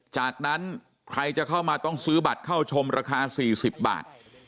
จากนั้นใครจะเข้ามาต้องซื้อบัตรเข้าชมราคา๔๐บาท